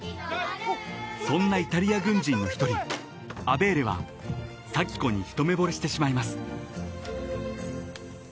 ［そんなイタリア軍人の１人アベーレは早季子に一目ぼれしてしまいます］